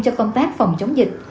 cho công tác phòng chống dịch